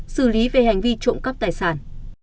xử lý về hành vi trộm cắp tài sản